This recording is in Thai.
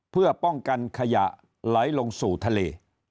เพื่อป้องกันขยะไหลลงสู่ทะเล